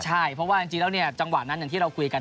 ใช่เพราะว่าจริงแล้วเนี่ยจังหวะนั้นอย่างที่เราคุยกัน